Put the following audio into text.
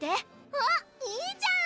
おっいいじゃん！